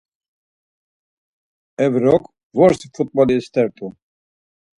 Evrok vorsi fut̆boli istert̆u.